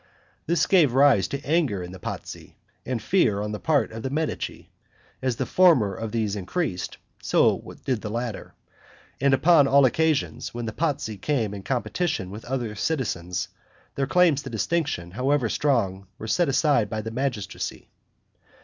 This gave rise to anger in the Pazzi, and fear on the part of the Medici; as the former of these increased, so did the latter; and upon all occasions, when the Pazzi came in competition with other citizens, their claims to distinction, however strong, were set aside by the magistracy.